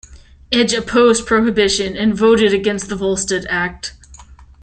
Edge opposed prohibition and voted against the Volstead Act.